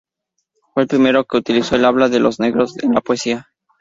Fue el primero que utilizó el habla de los negros en la poesía.